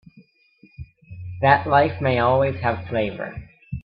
That life may always have flavor.